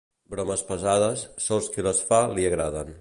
Bromes pesades, sols qui les fa li agraden.